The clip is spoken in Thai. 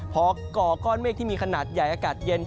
พอก่อก้อนเมฆที่มีขนาดใหญ่อากาศเย็น